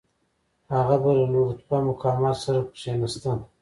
هغه به له لوړ رتبه مقاماتو سره کښېناسته.